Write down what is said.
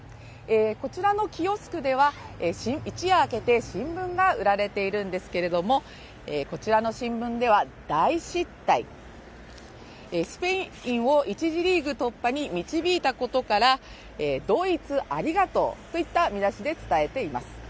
こちらのキオスクでは一夜明けて新聞が売られているんですけれども、こちらの新聞では、大失態、スペインを１次リーグ突破に導いたことからドイツありがとうといった見出しで伝えています。